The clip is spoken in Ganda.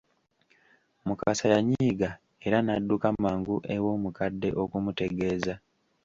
Mukasa yanyiiga era n'adduka mangu ew’omukadde okumutegeeza.